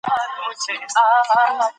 اوبه باید پاکې وساتل شي.